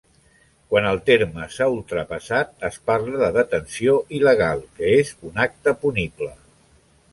Quan el terme s'ha ultrapassat, es parla de detenció il·legal, que és un acte punible.